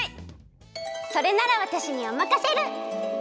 それならわたしにおまかシェル！